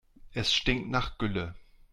Es stinkt nach Gülle.